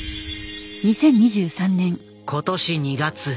今年２月。